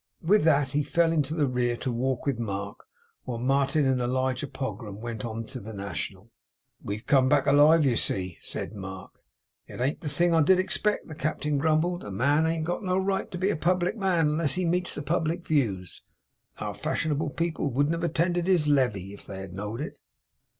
With that, he fell into the rear to walk with Mark, while Martin and Elijah Pogram went on to the National. 'We've come back alive, you see!' said Mark. 'It ain't the thing I did expect,' the Captain grumbled. 'A man ain't got no right to be a public man, unless he meets the public views. Our fashionable people wouldn't have attended his le vee, if they had know'd it.